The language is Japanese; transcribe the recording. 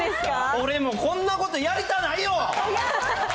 俺もこんなことやりたないよ！